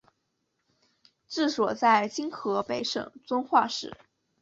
治所在今河北省遵化市。